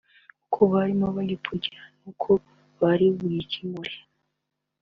uko barimo bagikurikirana n’uko bari bugikemure